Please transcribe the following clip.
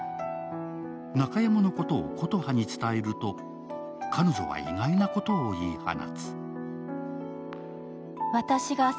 中山のことを琴葉に伝えると彼女は意外なことを言い放つ。